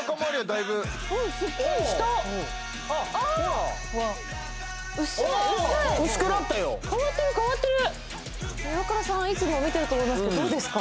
イワクラさんいつも見てると思いますけどどうですか？